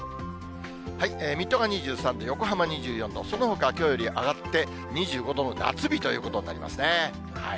水戸が２３度、横浜２４度、そのほかきょうより上がって２５度の夏日ということになりますね。